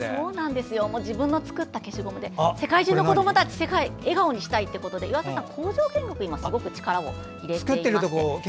自分の作った消しゴムで世界中の子どもたちを笑顔にしたいということで工場見学にも力を入れていて。